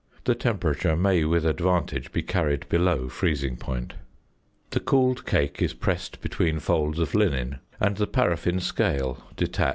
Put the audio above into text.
The temperature may with advantage be carried below freezing point. The cooled cake is pressed between folds of linen, and the paraffin scale detached and weighed.